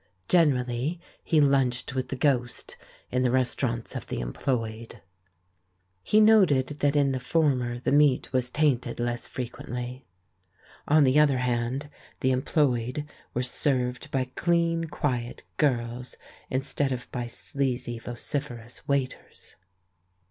Generally he lunched with the ghost in the restaurants of the Employed. He noted that in the former the meat was tainted less frequently. THE LADY OF LYONS' 319 On the other hand, the Employed were served by clean, quiet girls instead of by sleezy, vocif erous waiters.